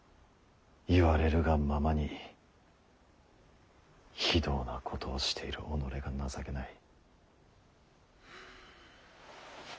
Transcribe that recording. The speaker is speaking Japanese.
言われるがままに非道なことをしている己が情けない。